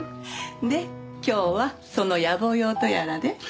で今日はそのやぼ用とやらで？